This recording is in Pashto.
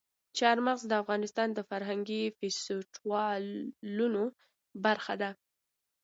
چار مغز د افغانستان د فرهنګي فستیوالونو برخه ده.